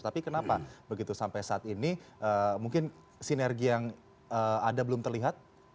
tapi kenapa begitu sampai saat ini mungkin sinergi yang ada belum terlihat